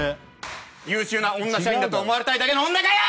優秀な女社員だと思われたいだけの女がよ！